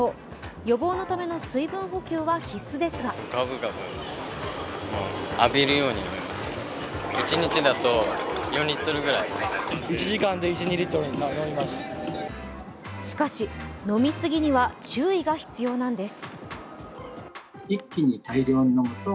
予防のための水分補給は必須ですがしかし、飲み過ぎには注意が必要なんです。